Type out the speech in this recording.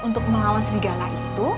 untuk melawan serigala itu